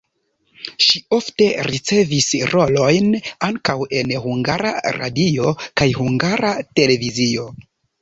Ŝi ofte ricevis rolojn ankaŭ en Hungara Radio kaj Hungara Televizio.